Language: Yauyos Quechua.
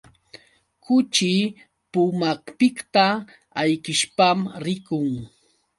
Kuchi pumapiqta ayqishpam rikun.